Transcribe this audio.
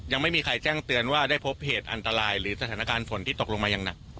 ยังไม่มีใครแจ้งเตือนว่าได้พบเหตุอันตรายหรือสถานการณ์ฝนที่ตกลงมาอย่างหนัก